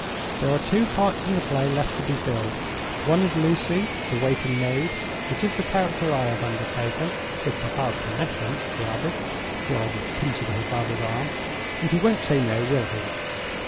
There are two parts in the play left to be filled. One is Lucy, the waiting maid; which is the character I have undertaken—with papa's permission," she added, slyly pinching her father's arm; "and he won't say No, will he?